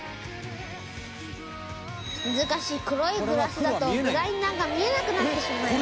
難しい黒いグラスだとグラインダーが見えなくなってしまいます。